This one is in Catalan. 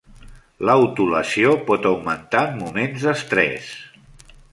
L'autolesió pot augmentar en moments d'estrès.